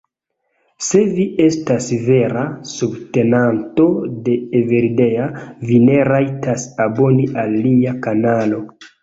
Se vi estas vera subtenanto de Evildea, vi ne rajtas aboni al lia kanalo